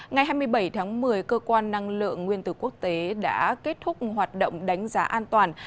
ngày hai mươi bảy tháng một mươi cơ quan năng lượng nguyên tử quốc tế đã kết thúc hoạt động đánh giá an toàn